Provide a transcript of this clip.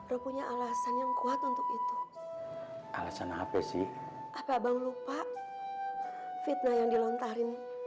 ro punya alasan yang kuat untuk itu alasan apa sih apa abang lupa fitnah yang dilontarin